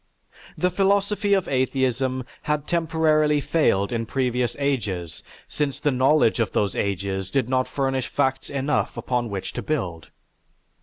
The philosophy of atheism had temporarily failed in previous ages, since the knowledge of those ages did not furnish facts enough upon which to build.